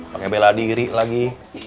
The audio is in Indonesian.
pake bela diri lagi